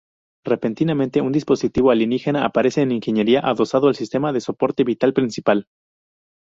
Repentinamente un dispositivo alienígena aparece en ingeniería, adosado al sistema de soporte vital principal.